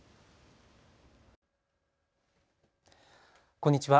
こんにちは。